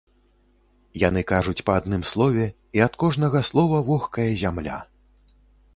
Яны кажуць па адным слове, і ад кожнага слова вохкае зямля.